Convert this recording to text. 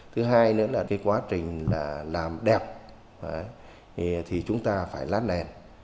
thứ hai nữa là cái quá trình làm đẹp thì chúng ta phải lát nền